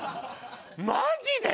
マジで？